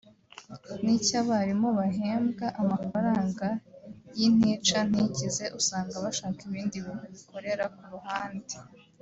n’icy’abarimu bahembwa amafaranga y’intica ntikize usanga bashaka ibindi bintu bikorera ku ruhande